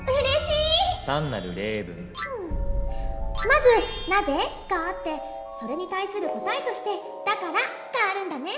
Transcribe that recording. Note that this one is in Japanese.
まず「なぜ？」があってそれに対する答えとして「だから」があるんだね。